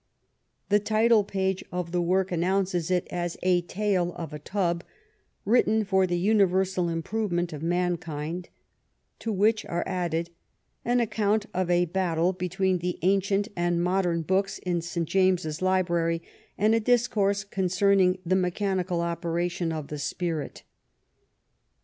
The title page of the work announces it as A Tale of a Tub, "written for the universal improvement of mankind," to which are added " An Account of a Battle between the Ancient and Modem Books in St. James Library and a Dis course concerning the Mechanical Operation of the Spirit."